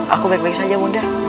aku baik baik saja muda